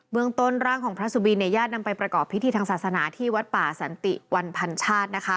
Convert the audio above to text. เมืองต้นร่างของพระสุบินญาตินำไปประกอบพิธีทางศาสนาที่วัดป่าสันติวันพันชาตินะคะ